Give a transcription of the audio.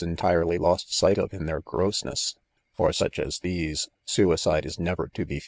entirely lost sight of in their gross ness. For snc?i as these, suicide is never to be.